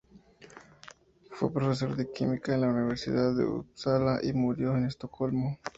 Fue profesor de química en la Universidad de Upsala, y murió en Estocolmo.